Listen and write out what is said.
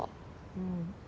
うん。